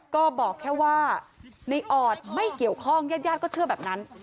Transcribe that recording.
ก็บอกแค่ว่าในออดไม่เกี่ยวข้องญาติก็เชื่อแบบนั้น